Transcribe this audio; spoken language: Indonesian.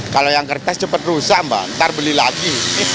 kalau yang kertas cepat rusak mbak ntar beli lagi